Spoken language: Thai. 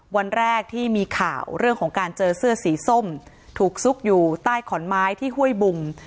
วันแรกที่มีข่าวเรื่องของการเจอเสื้อสีส้มถูกซุกอยู่ใต้ขอนไม้ที่ห้วยบุง